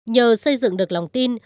nhờ xây dựng được lòng tin